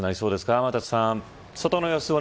天達さん。